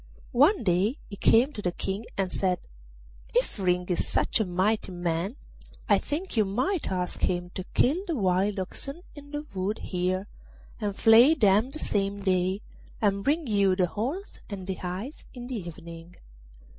One day he came to the King and said, 'If Ring is such a mighty man, I think you might ask him to kill the wild oxen in the wood here, and flay them the same day, and bring you the horns and the hides in the evening.